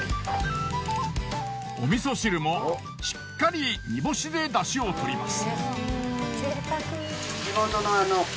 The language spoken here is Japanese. お味噌汁もしっかり煮干しで出汁を取ります。